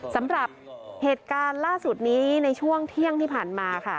สำหรับเหตุการณ์ล่าสุดนี้ในช่วงเที่ยงที่ผ่านมาค่ะ